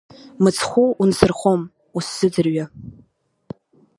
Мцхәы унсырхом усзыӡырҩы.